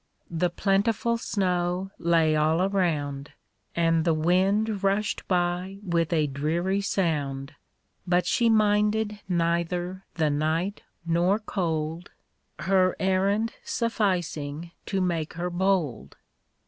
The plentiful snow lay all around, And the wind rushed by with a dreary sound, But she minded neither the night nor cold, Her errand sufficing to make her bold.